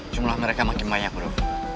jumlah mereka makin banyak bro